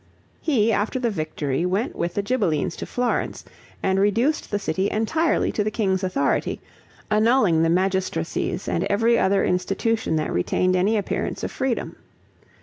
He after the victory, went with the Ghibellines to Florence, and reduced the city entirely to the king's authority, annulling the magistracies and every other institution that retained any appearance of freedom.